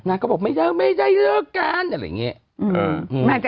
นางก็บอกไม่ได้ไม่ได้เลิกกันอะไรอย่างเงี้ย